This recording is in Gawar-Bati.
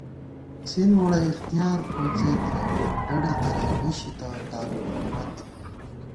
“ سِین وَڑے اِختِیار ” کوڅېتہ، ڈَڈہ تلَئ نِشِتہ، تانُو حُکُومت تھِنی